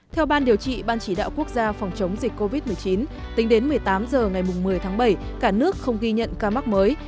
theo ban điều trị ban chỉ đạo quốc gia phòng chống dịch covid một mươi chín tính đến một mươi tám h ngày một mươi tháng bảy cả nước không ghi nhận ca mắc mới